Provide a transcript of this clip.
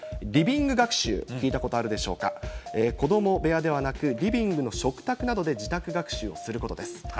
リビング学習、聞いたことあるでしょうか、子ども部屋ではなく、リビングの食卓などで自宅学習をすることです。